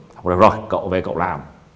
được rồi cậu về cậu làm